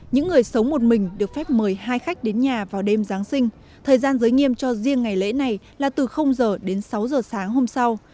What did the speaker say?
những người sống một mình được phép mời hai khách đến nhà vào đêm giáng sinh thời gian giới nghiêm cho riêng ngày lễ này là từ h đến sáu giờ sáng hôm sau